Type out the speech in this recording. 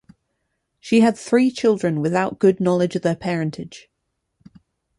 She had three children without good knowledge of their parentage.